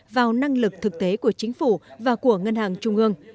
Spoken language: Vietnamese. vào năng lực thực tế của chính phủ và của ngân hàng trung ương